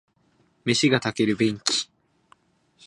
飯が炊ける便器